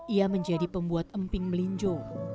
ia menjadi pembuat emping melinjo